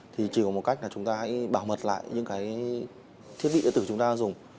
thì chỉ có một cách là chúng ta hãy bảo mật lại những cái thiết bị điện tử chúng ta dùng